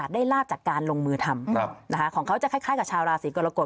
ลาบจากการลงมือทำของเขาจะคล้ายกับชาวราศีกรกฎ